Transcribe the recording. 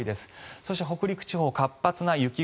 そして、北陸地方活発な雪雲。